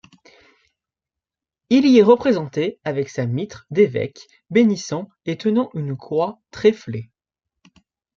Il y est représenté avec sa mitre d'évêque, bénissant et tenant une croix tréflée.